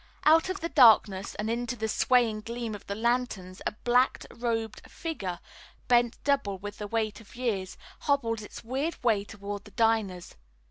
Out of the darkness and into the swaying gleam of the lanterns a black robed figure, bent double with the weight of years, hobbled its weird way toward the diners.